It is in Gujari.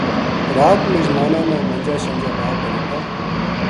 رات مِزماناں نا منجا شنجا لا کے دتا